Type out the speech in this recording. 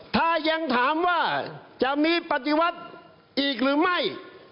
ถ้ายังถามว่าจะมีปฏิวัติอีกหรือไม่